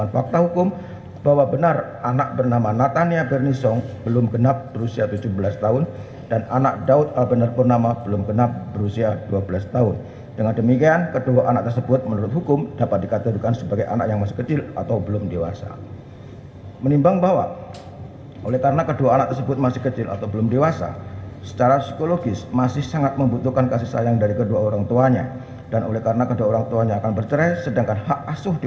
pertama penggugat akan menerjakan waktu yang cukup untuk menerjakan si anak anak tersebut yang telah menjadi ilustrasi